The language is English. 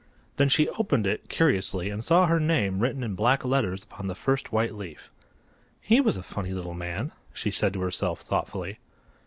Then she opened it, curiously, and saw her name written in black letters upon the first white leaf. "He was a funny little man," she said to herself, thoughtfully.